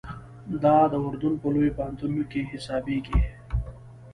دا د اردن په لویو پوهنتونو کې حسابېږي.